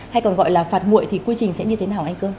hay còn gọi là phạt mụi thì quy trình sẽ như thế nào anh cơn